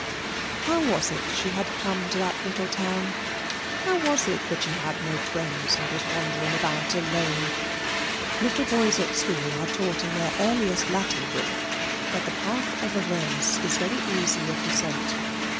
How was it that she had come to that little town? How was it that she had no friends and was wandering about alone? Little boys at school are taught in their earliest Latin book that the path of Avernus is very easy of descent.